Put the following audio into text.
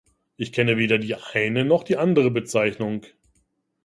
Ich kenne weder die eine noch die andere Bezeichnung.